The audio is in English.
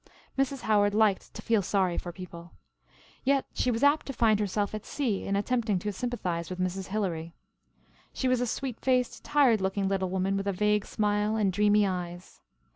Mrs. Howard liked to "feel sorry for" people. Yet she was apt to find herself at sea in attempting to sympathize with Mrs. Hilary. She was a sweet faced, tired looking little woman with a vague smile and dreamy eyes.